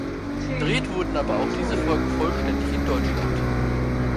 Gedreht wurden aber auch diese Folgen vollständig in Deutschland.